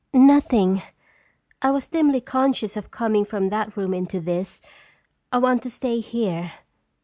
" Nothing. I was dimly conscious of coming from that room into this. I want to stay here.